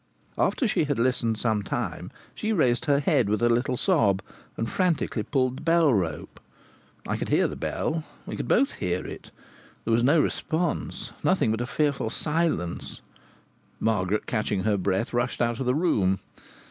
After she had listened some time she raised her head, with a little sob, and frantically pulled the bell rope. I could hear the bell; we could both hear it. There was no response; nothing but a fearful silence. Margaret, catching her breath, rushed out of the room.